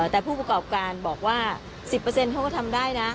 แต่ผู้ประกอบการบอกว่า๑๐เขาก็ทำได้นะ